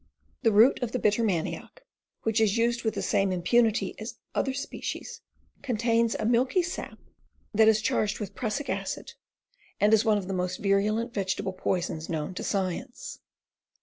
The root of the bitter manioc, which is used with the same impunity as other species, contains a milky sap that is 232 WILDERNESS EDIBLE PLANTS 233 charged with prussic acid and is one of the most viru lent vegetable poisons known to science.